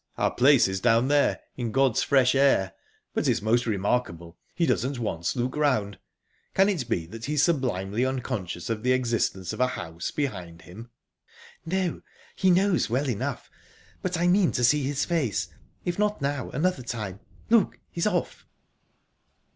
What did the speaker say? Our place is down there, in God's fresh air...But it's most remarkable he doesn't once look round. Can it be that he's sublimely unconscious of the existence of a house behind him?" "No, he knows well enough...But I mean to see his face if not now, another time...Look! he's off..."